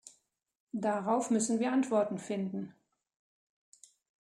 Darauf müssen wir Antworten finden.